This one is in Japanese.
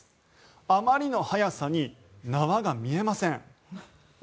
あまりの速さに縄が見えません。